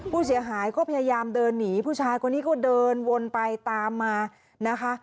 ผู้เสียหายก็พยายามเดินหนีผู้ชายคนนี้ก็เดินวนไปตามมานะคะ